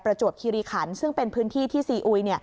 จวบคิริขันซึ่งเป็นพื้นที่ที่ซีอุย